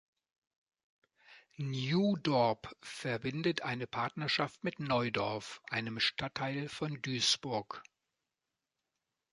New Dorp verbindet eine Partnerschaft mit Neudorf, einem Stadtteil von Duisburg.